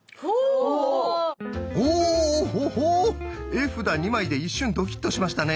絵札２枚で一瞬ドキッとしましたね。